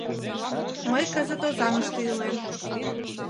Мый кызыт Озаҥыште илем.